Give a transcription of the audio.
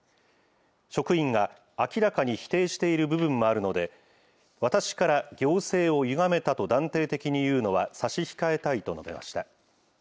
職員が明らかに否定している部分もあるので、私から行政をゆがめたと断定的に言うのは差し控えたいと述べました。